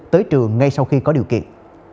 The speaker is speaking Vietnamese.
tới trường ngay sau khi có điều kiện